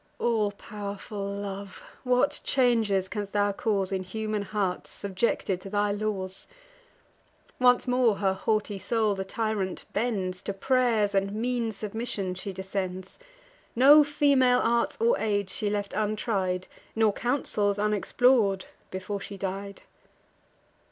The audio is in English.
All pow'rful Love! what changes canst thou cause In human hearts, subjected to thy laws! Once more her haughty soul the tyrant bends: To pray'rs and mean submissions she descends. No female arts or aids she left untried, Nor counsels unexplor'd, before she died.